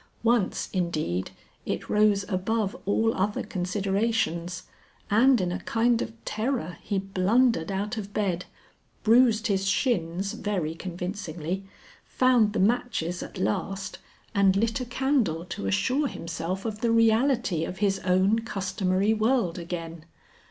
Once, indeed, it rose above all other considerations, and in a kind of terror he blundered out of bed, bruised his shins very convincingly, found the matches at last, and lit a candle to assure himself of the reality of his own customary world again.